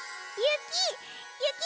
ゆき！